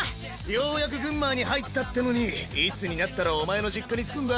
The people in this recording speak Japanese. ようやくグンマーに入ったってのにいつになったらお前の実家に着くんだ？